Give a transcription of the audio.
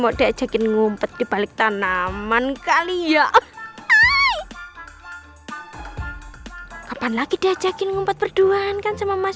udah ajakin ngumpet dibalik tanaman kali ya hai kapan lagi diajakin ngumpet berduaan kan sama mas